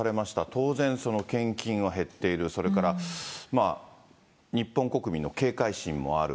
当然、その献金は減っている、それから日本国民の警戒心もある。